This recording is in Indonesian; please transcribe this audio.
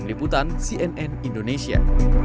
tim liputan cnn indonesia